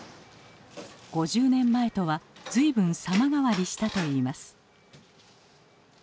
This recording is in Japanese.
５０年前とは随分様変わりしたといいます。